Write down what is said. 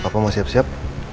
papa mau siap siap